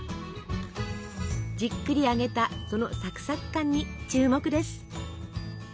じっくり揚げたそのサクサク感に注目です。